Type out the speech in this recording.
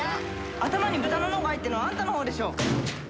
頭に豚の脳が入ってんのはあんたの方でしょ。